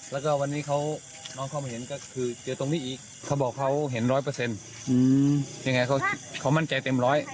แล้วก็วันนี้เขาน้องเขามาเห็นก็คือเจอตรงนี้อีกเขาบอกเขาเห็นร้อยเปอร์เซ็นต์ยังไงเขามั่นใจเต็มร้อย